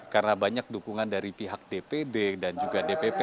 karena banyak dukungan dari pihak dpd dan juga dpp